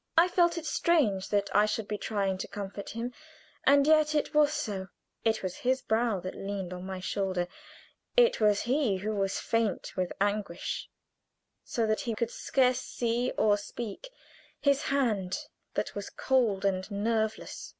I felt it strange that I should be trying to comfort him, and yet it was so; it was his brow that leaned on my shoulder; it was he who was faint with anguish, so that he could scarce see or speak his hand that was cold and nerveless.